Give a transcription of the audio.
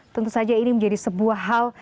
tentu saja ini menjadi sebuah hal